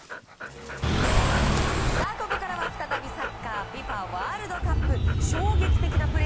ここからは再びサッカーＦＩＦＡワールドカップ。